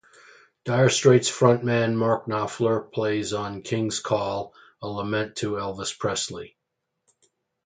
Dire Straits frontman Mark Knopfler plays on "King's Call", a lament to Elvis Presley.